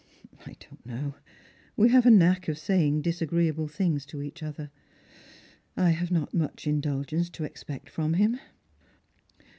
" I don't know. We have a knack of saying disagreeable things to each other. I have not much indulgence to expect from him.